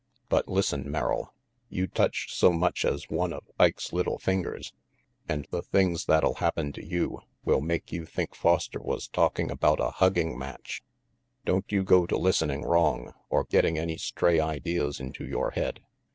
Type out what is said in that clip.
But listen, Merrill! You touch so much as one of Ike's little fingers, and the things RANGY PETE 267 that'll happen to you will make you think Foster was talking about a hugging match. Don't you go to listening wrong, or getting any stray ideas into yore head.